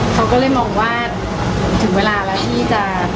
เขาก็เลยมองว่าถึงเวลาแล้วที่จะ